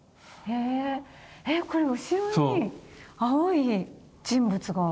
えっこれ後ろに青い人物が。